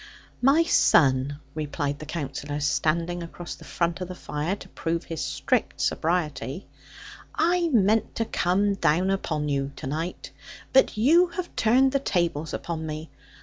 'My son,' replied the Counsellor, standing across the front of the fire, to prove his strict sobriety: 'I meant to come down upon you to night; but you have turned the tables upon me.